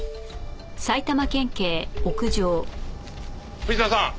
藤田さん